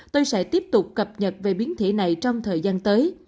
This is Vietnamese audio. tôi sẽ tiếp tục cập nhật về biến thể này trong thời gian tới